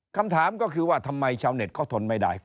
คำถามก็คือว่าทำไมชาวเน็ตเขาทนไม่ได้